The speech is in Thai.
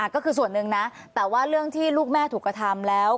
ก็คือส่วนหนึ่งนะแต่ว่าเรื่องที่ลูกแม่ถูกกระทำแล้ว